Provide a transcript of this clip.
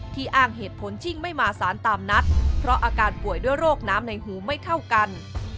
อ้างเหตุผลชิ่งไม่มาสารตามนัดเพราะอาการป่วยด้วยโรคน้ำในหูไม่เท่ากัน